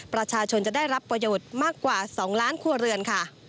ประชาชนจะได้รับประโยชน์มากกว่า๒ล้านครัวเรือนค่ะ